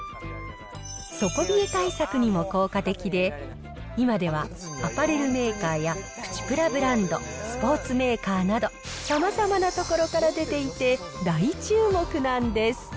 底冷え対策にも効果的で、今ではアパレルメーカーやプチプラブランド、スポーツメーカーなど、さまざまなところから出ていて、大注目なんです。